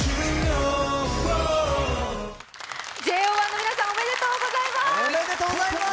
ＪＯ１の皆さん、おめでとうございます。